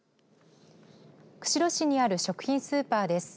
釧路市にある食品スーパーです。